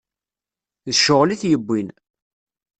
D ccɣel i t-yewwin.